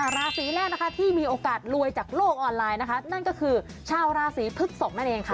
ราศีแรกนะคะที่มีโอกาสรวยจากโลกออนไลน์นะคะนั่นก็คือชาวราศีพฤกษกนั่นเองค่ะ